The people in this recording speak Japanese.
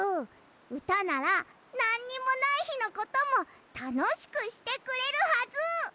うたならなんにもないひのこともたのしくしてくれるはず！